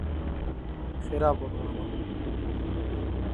خێرا بڕۆنە ماڵەوە.